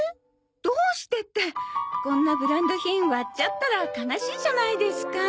どうしてってこんなブランド品割っちゃったら悲しいじゃないですか。